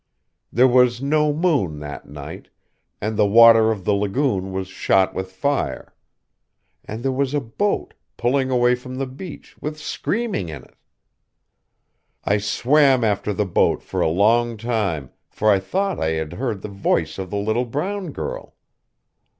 There was no moon, that night; and the water of the lagoon was shot with fire. And there was a boat, pulling away from the beach, with screaming in it. "I swam after the boat for a long time, for I thought I had heard the voice of the little brown girl.